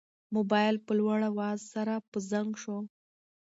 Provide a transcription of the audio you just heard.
موبایل په لوړ اواز سره په زنګ شو.